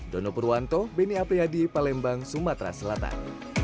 dono purwanto beni apriyadi palembang sumatera selatan